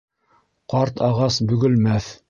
Ҡарт ағас бөгөлмәҫ